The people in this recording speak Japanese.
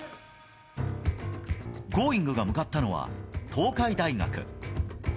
Ｇｏｉｎｇ！が向かったのは東海大学。